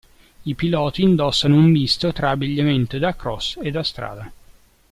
I piloti indossano un misto tra abbigliamento da cross e da strada.